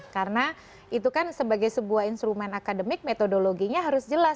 karena itu kan sebagai sebuah instrumen akademik metodologinya harus jelas